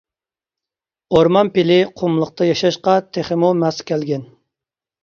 ئورمان پىلى قۇملۇقتا ياشاشقا تېخىمۇ ماس كەلگەن.